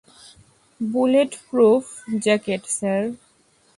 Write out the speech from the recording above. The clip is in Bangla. Bullet proof jacket, sir.